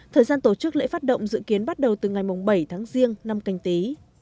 thời gian tổ chức lễ phát động dự kiến bắt đầu từ ngày bảy tháng riêng năm canh tí